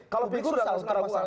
kalau pigur saya sangat percaya